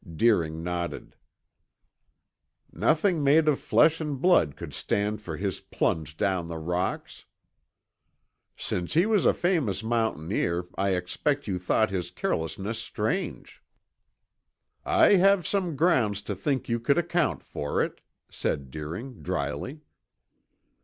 Deering nodded. "Nothing made of flesh and blood could stand for his plunge down the rocks." "Since he was a famous mountaineer, I expect you thought his carelessness strange." "I have some grounds to think you could account for it," said Deering dryly.